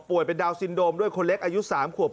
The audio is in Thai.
เป็นดาวนซินโดมด้วยคนเล็กอายุ๓ขวบ